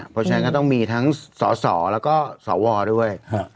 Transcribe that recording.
เพราะฉะนั้นก็ต้องมีทั้งสสแล้วก็สวด้วย